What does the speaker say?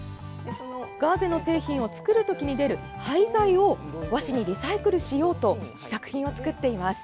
ガーゼの製品を作るときに出る廃材を和紙にリサイクルしようと試作品を作っています。